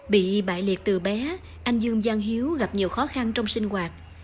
bị bại liệt từ bé anh dương giang hiếu gặp nhiều khó khăn trong sinh hoạt